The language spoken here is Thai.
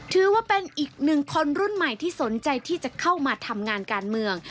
ถือว่าเป็นอีกหนึ่งคนรุ่นใหม่ที่สนใจที่จะเข้ามาทำงานการเมือง